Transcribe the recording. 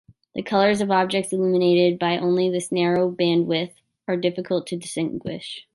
The colors of objects illuminated by only this narrow bandwidth are difficult to distinguish.